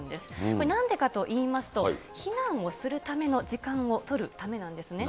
これ、なんでかといいますと、避難をするための時間を取るためなんですね。